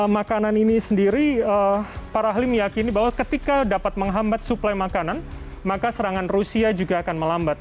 makanan ini sendiri para ahli meyakini bahwa ketika dapat menghambat suplai makanan maka serangan rusia juga akan melambat